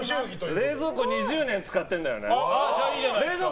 冷蔵庫２０年使ってるんだよね。